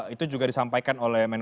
itu juga disampaikan oleh menko